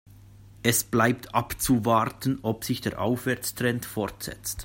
Es bleibt abzuwarten, ob sich der Aufwärtstrend fortsetzt.